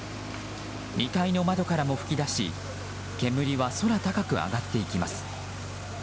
２階の窓からも噴き出し煙は空高く上がっていきます。